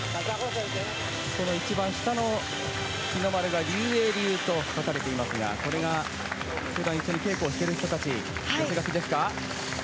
一番下の日の丸が劉衛流と書かれていますがこれが、普段一緒に稽古をしている人たちの寄せ書きですか。